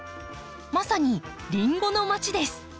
まさにリンゴの町です。